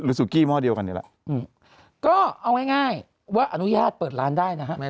สุกี้หม้อเดียวกันนี่แหละก็เอาง่ายว่าอนุญาตเปิดร้านได้นะฮะ